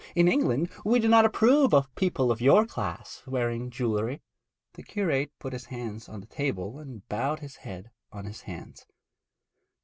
In England we do not approve of people of your class wearing jewellery.' The curate put his arms on the table and bowed his head on his hands.